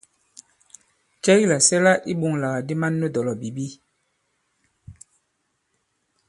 Cɛ ki làsɛla iɓoŋlàgàdi man nu dɔ̀lɔ̀bìbi ?